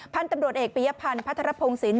พันธุ์ตำรวจเอกปียพันธ์พัทรพงศิลป